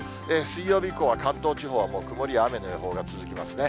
水曜日以降は関東地方はもう曇りや雨の予報が続きますね。